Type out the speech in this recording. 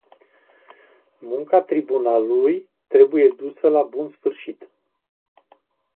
Munca tribunalului trebuie dusă la bun sfârșit.